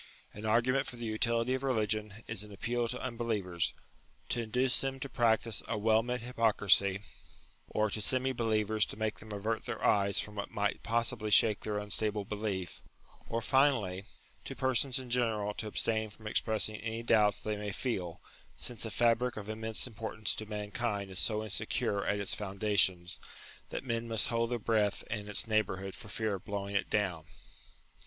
An argument for the utility of religion is an appeal to unbelievers, to induce them to practise a well meant hypocrisy, or to semi believers to make them avert their eyes from what might possibly shake their unstable belief, or finally to persons in general to abstain from express ing any doubts they may feel, since a fabric of im mense importance to mankind is so insecure at its foundations, that men must hold their breath in its neighbourhood for fear of blowing it down.